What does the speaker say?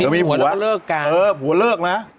มีหัวแล้วก็เลิกการเออหัวเลิกนะ